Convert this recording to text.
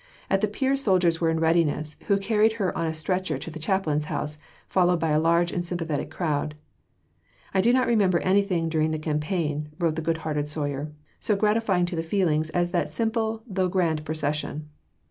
At the pier soldiers were in readiness, who carried her on a stretcher to the chaplain's house, followed by a large and sympathetic crowd. "I do not remember anything during the campaign," wrote the good hearted Soyer, "so gratifying to the feelings as that simple though grand procession."